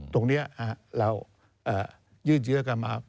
ตรงนี้เรายืดเยอะกันมา